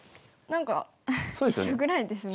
何か一緒ぐらいですね。